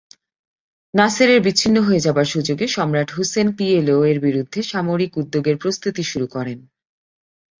নাসেরের বিচ্ছিন্ন হয়ে যাবার সুযোগে সম্রাট হুসেন পিএলও এর বিরুদ্ধে সামরিক উদ্যোগের প্রস্তুতি শুরু করেন।